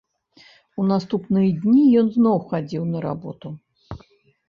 У наступныя дні ён зноў хадзіў на работу.